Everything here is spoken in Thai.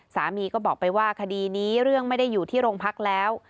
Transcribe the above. สามีก็บอกไปว่าคดีนี้เรื่องไม่ได้อยู่ที่โรงพักแล้ว